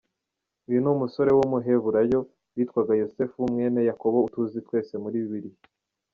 Uyu ni umusore w'umuheburayo witwaga Yosefu mwene yakobo tuzi twese muri bibiliya.